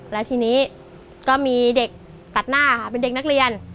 แล้วทีนี้ก็มีเด็กตัดหน้าค่ะเป็นเด็กนักเรียน